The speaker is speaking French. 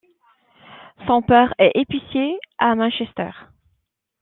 Son père est épicier à Manchester.